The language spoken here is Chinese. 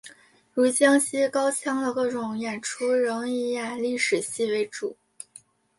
如江西高腔的各种演出仍以演历史戏为主。